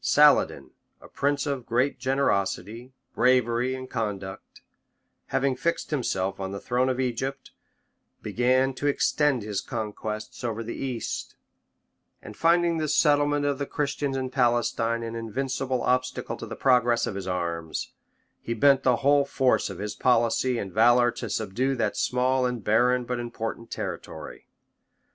Saladin, a prince of great generosity, bravery, and conduct, having fixed himself on the throne of Egypt, began to extend his conquests over the East; and finding the settlement of the Christians in Palestine an invincible obstacle to the progress of his arms, he bent the whole force of his policy and valor to subdue that small and barren, but important territory.